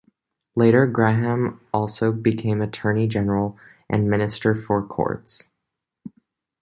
Later, Graham also became Attorney General and Minister for Courts.